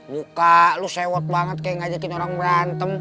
muka lo sewot banget kayak ngajakin orang berantem